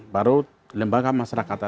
baru lembaga masyarakat